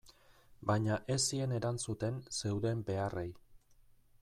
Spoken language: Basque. Baina ez zien erantzuten zeuden beharrei.